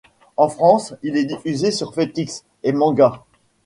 En France, il est diffusé sur Jetix et Mangas.